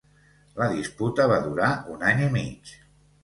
La disputa va durar un any i mig.